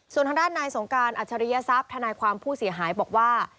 ส่วนทางด้านนายสงการอัจฉริยศัพย์ธนายความผู้เสียหายบอกว่า